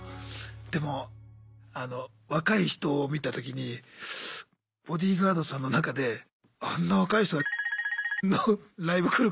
でもあの若い人を見た時にボディーガードさんの中であんな若い人がのライブ来るかなって。